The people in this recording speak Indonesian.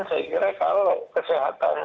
saya kira kalau kesehatan